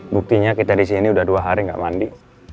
buktinya kita disini udah dua hari gak mandi